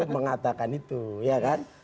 mengatakan itu ya kan